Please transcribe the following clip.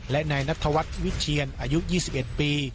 และนายนัทวัฒน์วิเชียนอายุ๒๑ปี